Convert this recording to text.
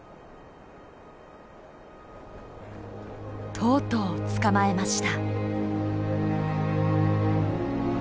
とうとう捕まえました。